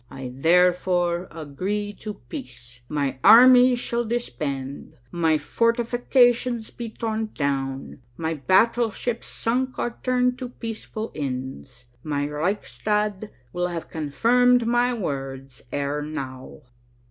I therefore agree to peace. My armies shall disband, my fortifications be torn down, my battleships sunk or turned to peaceful ends. My Reichstag will have confirmed my words ere now.